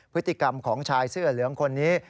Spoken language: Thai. พฤติกรรมของชายเสื้อเหลืองคนนี้